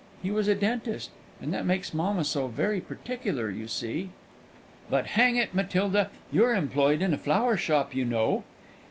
He was a dentist, and that makes mamma so very particular, you see." "But, hang it, Matilda! you're employed in a flower shop, you know."